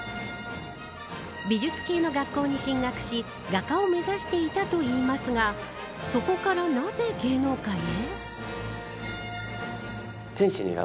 美術系の学校に進学し画家を目指していたといいますがそこからなぜ芸能界へ。